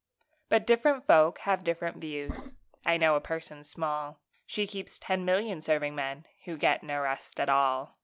But different folk have different views; I know a person small She keeps ten million serving men, Who get no rest at all!